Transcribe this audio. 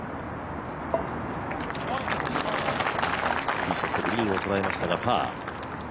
ティーショット、グリーンをとらえましたがパー。